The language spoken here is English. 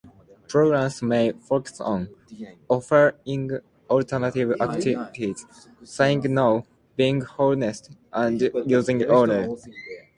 Programs may focus on: offering alternative activities, saying "no", being honest, and using humor.